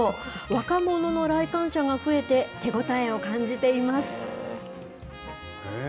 若者の来館者が増えて、手応えを感じています。